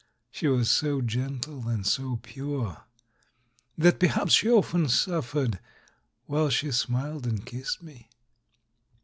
She was so gentle and so pure, that perhaps she often suf fered, while she smiled and kissed me